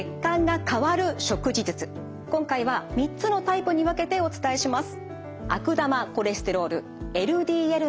今回は３つのタイプに分けてお伝えします。